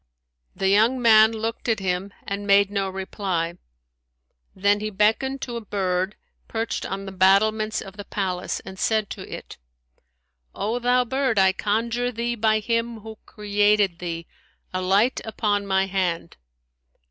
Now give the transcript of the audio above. The young man looked at him and made no reply: then he beckoned to a bird perched on the battlements of the palace, and said to it, "O thou bird, I conjure thee by Him who created thee, alight upon my hand."